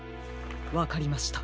わかりました。